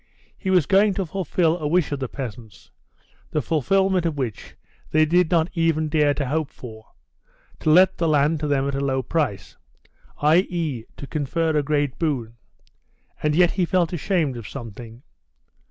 He was going to fulfil a wish of the peasants, the fulfilment of which they did not even dare to hope for to let the land to them at a low price, i.e., to confer a great boon; and yet he felt ashamed of something.